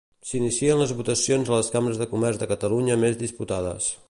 S'inicien les votacions a les cambres de comerç de Catalunya més disputades.